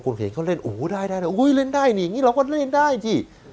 เห็นเขาเล่นโอ้โหได้เลยเล่นได้นี่อย่างนี้เราก็เล่นได้สิ